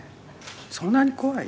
そんなに怖い？